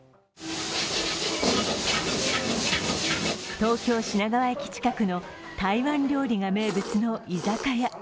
東京・品川駅近くの台湾料理が名物の居酒屋。